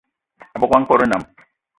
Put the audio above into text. Abogo a nkòt nnam